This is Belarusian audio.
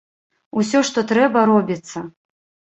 Усё, што трэба, робіцца.